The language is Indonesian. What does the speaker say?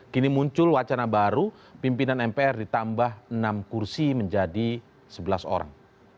kini muncul wacana baru pimpinan mpr ditambah enam kursi menjadi sebelas orang